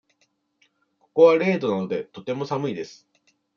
ここは零度なので、とても寒いです。